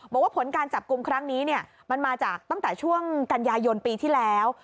บอกว่าผลการจับกลุ่มครั้งนี้มันมาจากตั้งแต่ช่วงกันยายนปีที่แล้ว